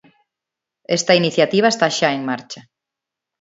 Esta iniciativa está xa en marcha.